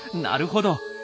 なるほど！